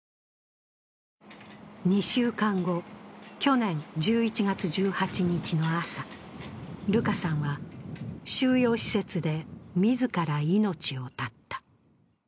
２週間後、去年１１月１８日の朝、ルカさんは収容施設で自ら命を絶った。